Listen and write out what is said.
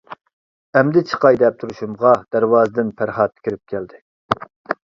ئەمدى چىقاي دەپ تۇرۇشۇمغا دەرۋازىدىن پەرھات كىرىپ كەلدى.